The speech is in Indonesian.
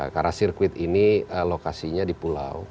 karena sirkuit ini lokasinya di pulau